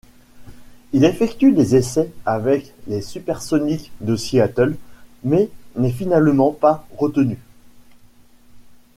Il effectue des essais avec les SuperSonics de Seattle, mais n'est finalement pas retenu.